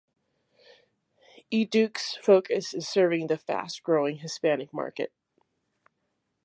EduK's focus is serving the fast-growing Hispanic market.